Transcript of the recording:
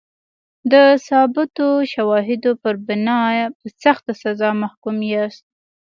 د ثابتو شواهدو پر بنا په سخته سزا محکوم یاست.